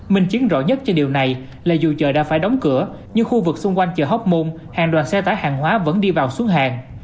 minh chứng rõ nhất cho điều này là dù chợ đã phải đóng cửa nhưng khu vực xung quanh chợ hóc môn hàng đoàn xe tải hàng hóa vẫn đi vào xuống hàng